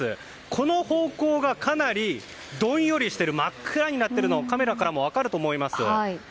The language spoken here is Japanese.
この方向がかなりどんよりしている真っ暗になっているのがカメラからも分かると思います。